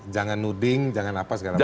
jangan nuding jangan apa segala macam